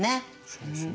そうですね。